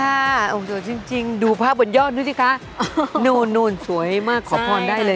ค่ะองค์เจ้าจริงจริงดูภาพบทยอดหนูดิคะโจ๊งโน่นสวยมากขอบพรได้เลย